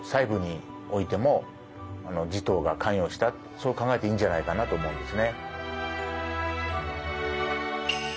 そう考えていいんじゃないかなと思うんですね。